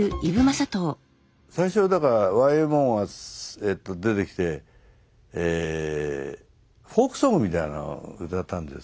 最初はだからＹＭＯが出てきてフォークソングみたいなのを歌ったんだよ